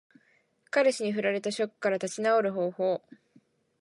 彼氏に振られたショックから立ち直る方法。